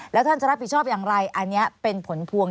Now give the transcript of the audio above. แล้วท่านจะรับผิดชอบอย่างไรอันนี้เป็นผลพวง